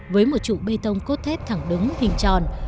với một trụ bê tông cốt thép thẳng đứng hình tròn